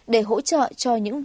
để hỗ trợ cho những vấn đề